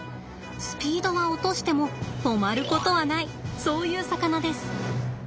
スピードは落としても止まることはないそういう魚です。